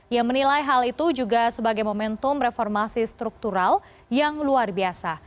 ia menilai hal itu juga sebagai momentum reformasi struktural yang luar biasa